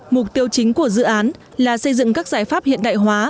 mục tiêu chính của dự án là xây dựng các giải pháp hiện đại hóa